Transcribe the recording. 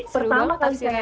seru banget pembicaraannya